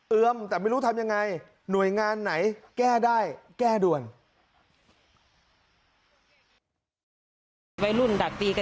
เอื้อมแต่ไม่รู้ทำอย่างไร